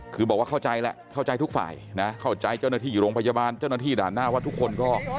คือบอกว่าเข้าใจแหละเข้าใจทุกฝ่ายนะเข้าใจเจ้าหน้าที่อยู่โรงพยาบาลเจ้าหน้าที่ด่านหน้าว่าทุกคนก็